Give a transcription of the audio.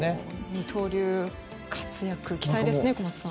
二刀流での活躍期待ですね、小松さん。